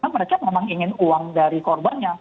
mereka memang ingin uang dari korbannya